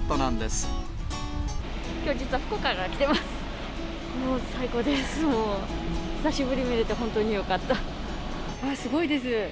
すごいです。